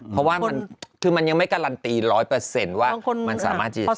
เพราะว่ามันคือมันยังไม่การันตีร้อยเปอร์เซ็นต์ว่ามันสามารถที่จะใช้